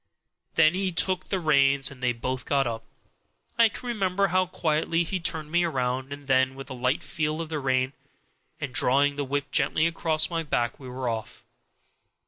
Then he took the reins, and they both got up. I can remember now how quietly he turned me round, and then with a light feel of the rein, and drawing the whip gently across my back, we were off.